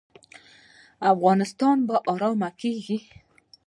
افغانستان به ارام کیږي